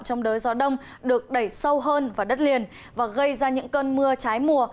trong đới gió đông được đẩy sâu hơn vào đất liền và gây ra những cơn mưa trái mùa